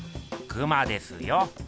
クマですよ。